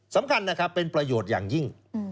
สำคัญนะครับเป็นประโยชน์อย่างยิ่ง